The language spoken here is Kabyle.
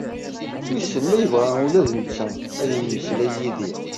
Wisen ma yebɣa ula d netta ad yemeslay d yid-i?